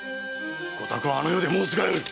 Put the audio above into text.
ごたくはあの世で申すがよい。